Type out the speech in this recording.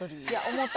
思った。